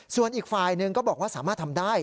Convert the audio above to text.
ส่วนอีกฝ่ายหนึ่งก็บอกว่าสามารถทำได้